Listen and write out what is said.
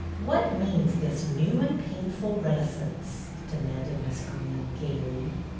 " What means this new and painful reti cence.''" demanded Miss Greene, gayly.